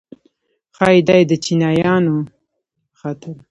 ښایي دا یې د چیچنیایانو په خاطر.